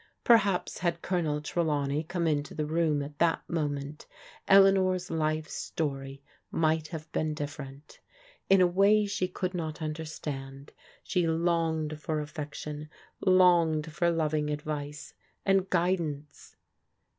Perhaps had Colonel Trelawney come into the room at that moment Eleanor's life's story might have been different. In a way she could not understand, she longed for affection, longed for loving advice, and guidance.